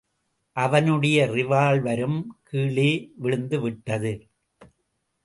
அவனுடைய ரிவால்வரும் கீழே விழுந்து விட்டது.